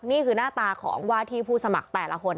นี่คือหน้าตาของว่าที่ผู้สมัครแต่ละคน